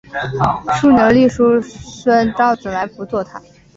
竖牛立叔孙昭子来辅佐他。